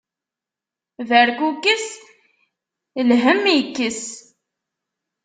Berkukes, lhemm ikkes.